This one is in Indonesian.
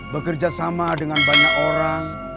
bekerja sama dengan banyak orang